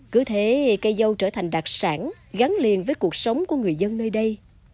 cứ thế cây dâu trở thành đặc sản gắn liền với cuộc sống của người dân nơi đây